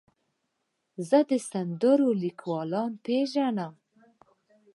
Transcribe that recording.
زه د سندرو لیکوال پیژنم.